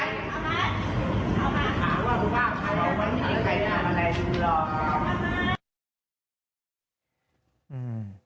คุณบอกว่าเราไม่ได้ใครทำอะไรคุณรอนะ